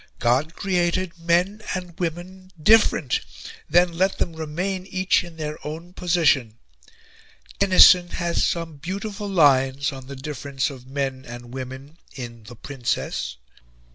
God created men and women different then let them remain each in their own position. Tennyson has some beautiful lines on the difference of men and women in 'The Princess.'